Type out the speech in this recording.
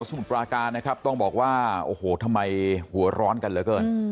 มุดปราการนะครับต้องบอกว่าโอ้โหทำไมหัวร้อนกันเหลือเกิน